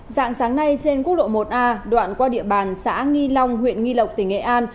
dạng sáng nay trên quốc lộ một a đoạn qua địa bàn xã nghi long huyện nghi lộc tỉnh nghệ an